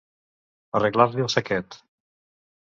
Arreglar-li el saquet.